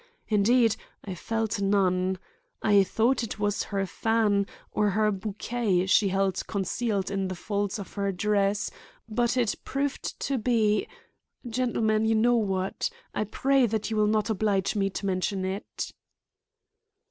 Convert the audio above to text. Indeed, I felt none. I thought it was her fan or her bouquet she held concealed in the folds of her dress, but it proved to be—Gentlemen, you know what. I pray that you will not oblige me to mention it."